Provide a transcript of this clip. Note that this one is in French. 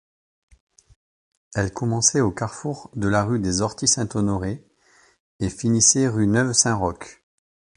Elle commençait au carrefour de la rue des Orties-Saint-Honoré et finissait rue Neuve-Saint-Roch.